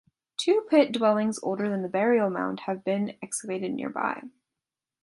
Two pit dwellings older than the burial mound have been excavated nearby.